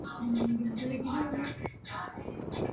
Lugha hiyo ndiyo iliyotumiwa na waandishi wote wa Agano Jipya